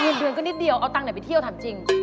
มีอีกเดือนก็นิดเดียวเอาหน่อยตังไปเที่ยวทำจริง